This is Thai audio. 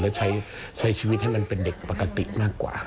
แล้วใช้ชีวิตให้มันเป็นเด็กปกติมากกว่า